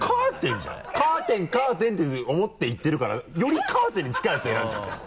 「カーテンカーテン」って思って行ってるからよりカーテンに近いやつを選んじゃったよ